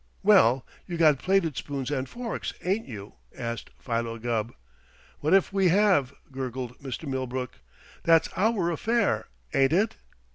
"Well, you got plated spoons and forks, ain't you?" asked Philo Gubb. "What if we have?" gurgled Mr. Millbrook. "That's our affair, ain't it?"